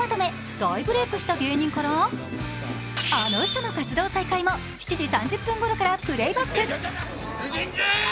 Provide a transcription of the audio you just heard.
大ブレークした芸人からあの人の活動再開も、７時３０分ごろからプレイバック。